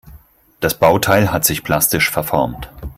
Das Bauteil hat sich plastisch verformt.